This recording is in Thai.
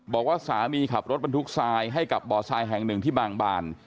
บอกว่าสามีขับรถบรรทุกทรายให้กับบ่อทรายแห่งหนึ่งที่บางบาน